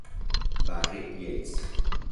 Barry Yates